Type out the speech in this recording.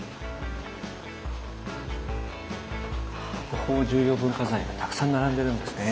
国宝重要文化財がたくさん並んでるんですね。